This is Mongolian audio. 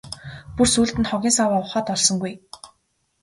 Бүр сүүлд нь хогийн саваа ухаад олсонгүй.